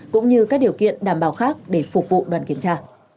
cũng như các điều kiện đảm bảo khác để phục vụ đoàn kiểm tra